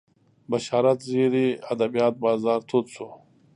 بشارت زیري ادبیات بازار تود شو